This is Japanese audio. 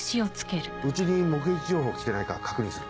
うちに目撃情報来てないか確認する。